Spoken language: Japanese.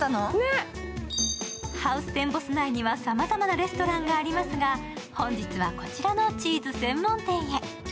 ハウステンボス内にはさまざまなレストランがありますが、本日は、こちらのチーズ専門店へ。